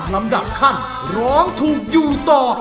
ลำดับขั้นร้องถูกอยู่ต่อ